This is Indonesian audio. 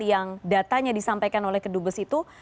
yang datanya disampaikan oleh kedubes itu